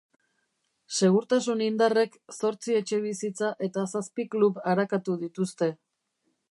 Segurtasun indarrek zortzi etxebizitza eta zazpi klub arakatu dituzte.